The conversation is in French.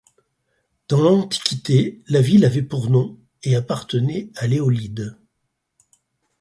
Dans l'Antiquité, la ville avait pour nom et appartenait à l'Éolide.